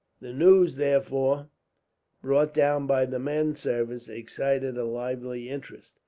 The news, therefore, brought down by the menservants excited a lively interest.